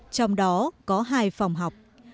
trong đó có hai phòng học